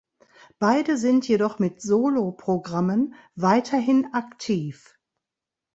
Beide sind jedoch mit Solo-Programmen weiterhin aktiv.